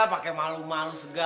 pake malu malu segala